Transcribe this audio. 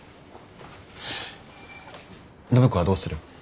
暢子はどうする？